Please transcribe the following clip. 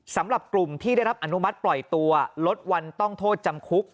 สำหรับกลุ่มที่ได้รับอนุมัติปล่อยตัวลดวันต้องโทษจำคุก